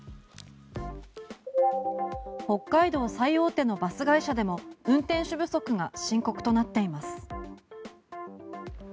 北海道最大手のバス会社でも運転手不足が深刻となっています。